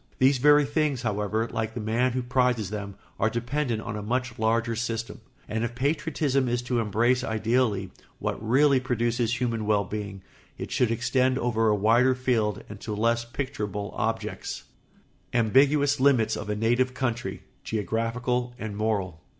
These very things, however, like the man who prizes them, are dependent on a much larger system; and if patriotism is to embrace ideally what really produces human well being it should extend over a wider field and to less picturable objects. [Sidenote: Ambiguous limits of a native country, geographical and moral.